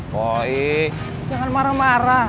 poik jangan marah marah